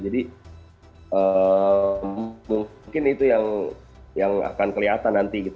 jadi mungkin itu yang akan kelihatan nanti gitu